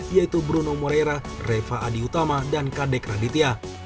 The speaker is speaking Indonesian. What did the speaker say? yaitu bruno moreira reva adi utama dan kadek raditya